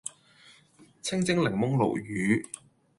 清蒸檸檬鱸魚